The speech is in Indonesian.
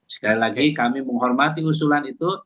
sekali lagi kami menghormati usulan itu